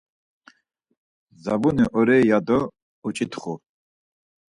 Zabuni orei, yado uç̌itxu.